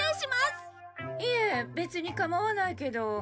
いえ別にかまわないけど。